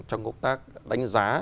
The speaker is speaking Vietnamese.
trong công tác đánh giá